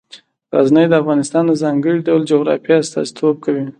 غزني د افغانستان د ځانګړي ډول جغرافیه استازیتوب کوي.